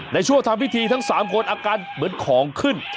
ในช่วงทำพิธีทั้ง๓คนอาการเหมือนของขึ้น